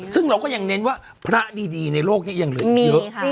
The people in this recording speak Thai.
ซึ่งเราก็ยังเน้นว่าพระดีในโลกนี้ยังเหลืออีกเยอะ